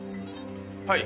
はい。